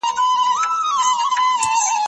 زه به سبا سبزیحات تيار کړم؟